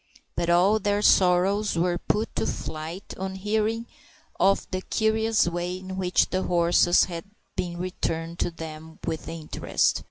But all their sorrows were put to flight on hearing of the curious way in which the horses had been returned to them with interest.